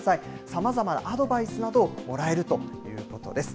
さまざまなアドバイスなどをもらえるということです。